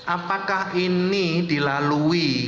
apakah ini dilalui